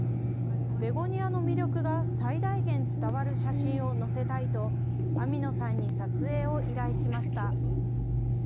ベゴニアの魅力が最大限伝わる写真を載せたいと、網野さんに撮影を依頼しました。